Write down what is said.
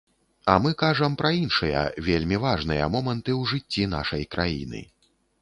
А мы кажам пра іншыя, вельмі важныя моманты ў жыцці нашай краіны.